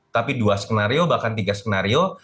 tapi dua skenario bahkan tiga skenario